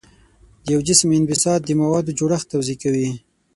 د یو جسم انبساط د موادو جوړښت توضیح کوي.